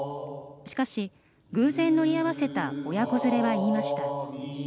しかし、偶然乗り合わせた親子連れは言いました。